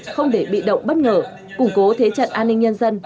không để bị động bất ngờ củng cố thế trận an ninh nhân dân